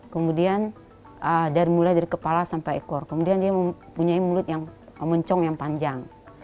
kemudian mulai dari kepala sampai ekor kemudian dia mempunyai mulut yang mencong yang panjang